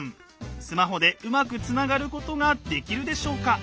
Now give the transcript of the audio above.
スマホでうまくつながることができるでしょうか？